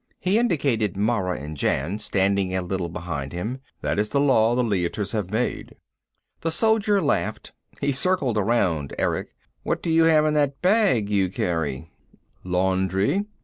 He indicated Mara and Jan, standing a little behind him. "That is the Law the Leiters have made." The soldier laughed. He circled around Erick. "What do you have in that bag you carry?" "Laundry.